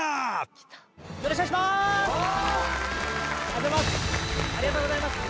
・おっありがとうございます